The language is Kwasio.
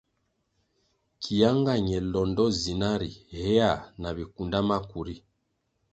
Kia nga ñe londo zina ri hea na bikunda maku ri.